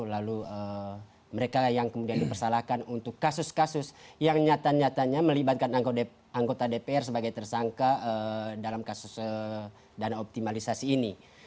lalu mereka yang kemudian dipersalahkan untuk kasus kasus yang nyata nyatanya melibatkan anggota dpr sebagai tersangka dalam kasus dana optimalisasi ini